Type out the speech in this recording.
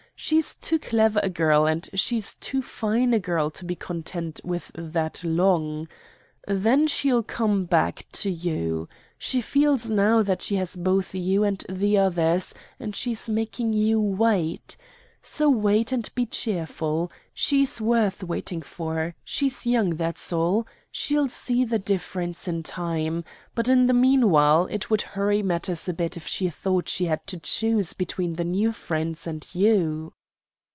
She's too clever a girl, and she is too fine a girl to be content with that long. Then then she'll come back to you. She feels now that she has both you and the others, and she's making you wait: so wait and be cheerful. She's worth waiting for; she's young, that's all. She'll see the difference in time. But, in the meanwhile, it would hurry matters a bit if she thought she had to choose between the new friends and you."